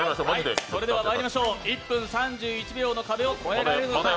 それではまいりましょう１分３１秒の壁を越えられるのか。